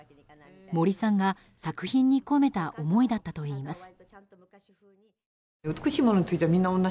森さんが、作品に込めた思いだったといいます。